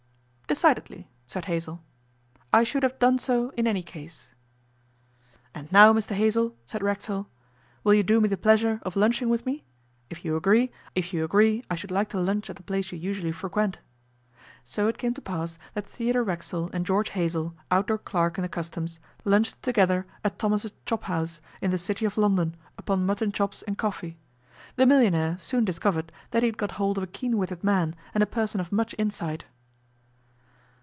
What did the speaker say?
'Decidedly,' said Hazell; 'I should have done so in any case.' 'And now, Mr Hazell,' said Racksole, 'will you do me the pleasure of lunching with me? If you agree, I should like to lunch at the place you usually frequent.' So it came to pass that Theodore Racksole and George Hazell, outdoor clerk in the Customs, lunched together at 'Thomas's Chop House', in the city of London, upon mutton chops and coffee. The millionaire soon discovered that he had got hold of a keen witted man and a person of much insight.